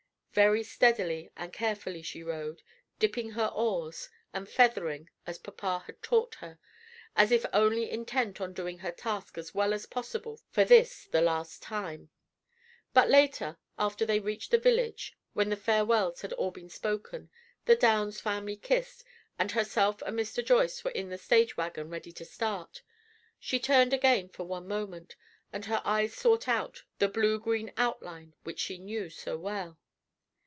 Very steadily and carefully she rowed, dipping her oars, and "feathering," as papa had taught her, as if only intent on doing her task as well as possible for this the last time. But later, after they reached the village, when the farewells had all been spoken, the Downs family kissed, and herself and Mr. Joyce were in the stage wagon ready to start, she turned again for one moment, and her eyes sought out the blue green outline which they knew so well.